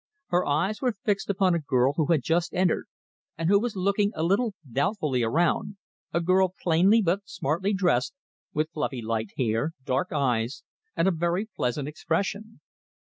Her eyes were fixed upon a girl who had just entered, and who was looking a little doubtfully around, a girl plainly but smartly dressed, with fluffy light hair, dark eyes, and a very pleasant expression.